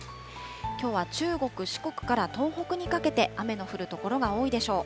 きょうは中国、四国から東北にかけて、雨の降る所が多いでしょう。